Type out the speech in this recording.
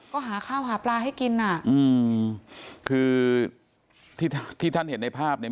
ก็หาข้าวหาปลาให้กินอ่ะอืมคือที่ที่ท่านเห็นในภาพเนี่ย